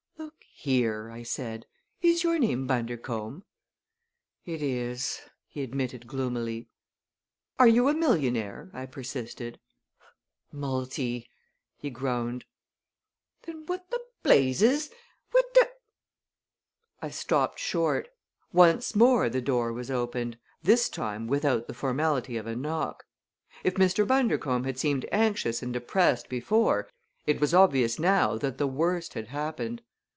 "Look here," I said, "is your name Bundercombe?" "It is," he admitted gloomily. "Are you a millionaire?" I persisted. "Multi!" he groaned. "Then what the blazes what the " I stopped short. Once more the door was opened this time without the formality of a knock. If Mr. Bundercombe had seemed anxious and depressed before it was obvious now that the worst had happened.